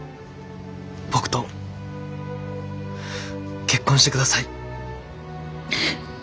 僕と結婚してください。